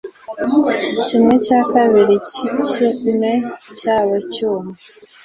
Kimwe cya kabiri cyikime cyabo cyuma